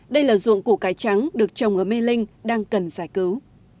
đây là ruộng củ cải trắng được trồng ở mê linh đang cần giải cứu